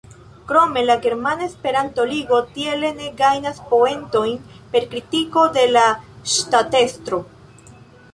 Krome la Germana Esperanto-Ligo tiele ne gajnas poentojn per kritiko de la ŝtatestro.